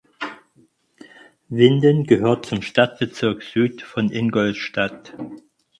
Winden gehört zum Stadtbezirk Süd von Ingolstadt.